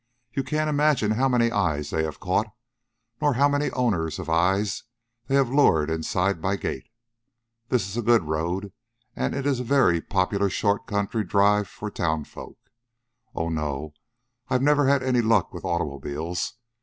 You can't imagine how many eyes they have caught, nor how many owners of eyes they have lured inside my gate. This is a good road, and is a very popular short country drive for townsfolk. Oh, no; I've never had any luck with automobiles.